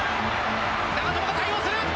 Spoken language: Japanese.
長友が対応する！